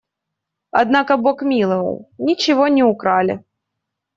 Однако бог миловал – ничего не украли.